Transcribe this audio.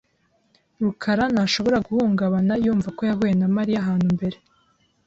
rukara ntashobora guhungabana yumva ko yahuye na Mariya ahantu mbere .